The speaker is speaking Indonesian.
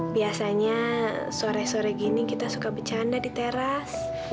biasanya sore sore gini kita suka bercanda di teras